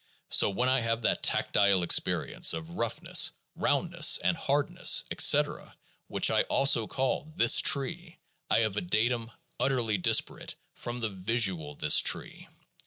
So when I have that tactile experience of roughness, roundness, and hardness, etc., which I also call "this tree,' I have a datum utterly disparate from the visual "this tree."